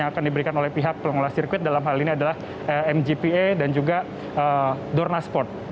yang akan diberikan oleh pihak pengelola sirkuit dalam hal ini adalah mgpa dan juga dorna sport